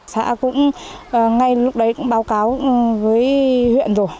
xã cũng ngay lúc đấy cũng báo cáo với huyện rồi